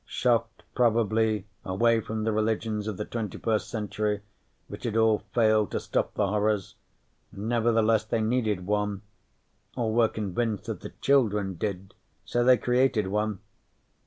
Shocked, probably, away from the religions of the 21st century, which had all failed to stop the horrors, nevertheless they needed one, or were convinced that the children did so they created one.